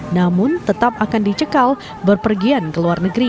namun tetap akan dicekal berpergian ke luar negeri